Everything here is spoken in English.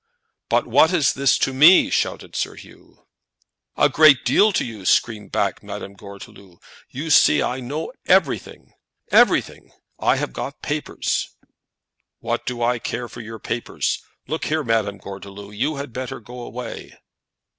"But what is this to me?" shouted Sir Hugh. "A great deal to you," screamed back Madame Gordeloup. "You see I know everything, everything. I have got papers." "What do I care for your papers? Look here, Madame Gordeloup, you had better go away."